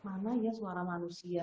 itu untuk memiliki suara manusia